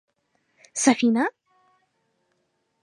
_سفينه؟